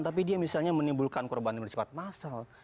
tapi dia misalnya menimbulkan korban yang bersifat massal